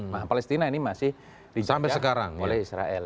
nah palestina ini masih dijajah oleh israel